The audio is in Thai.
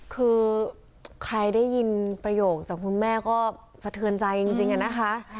คือใครได้ยินประโยคจากคุณแม่ก็สะเทือนใจจริงอะนะคะ